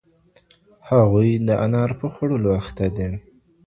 هغوی د انار په خوړلو اخته دي.